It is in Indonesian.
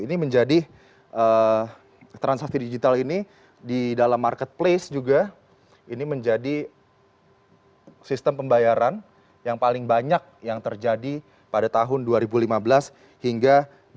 ini menjadi transaksi digital ini di dalam marketplace juga ini menjadi sistem pembayaran yang paling banyak yang terjadi pada tahun dua ribu lima belas hingga dua ribu delapan belas